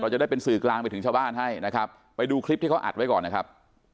จะได้เป็นสื่อกลางไปถึงชาวบ้านให้นะครับไปดูคลิปที่เขาอัดไว้ก่อนนะครับ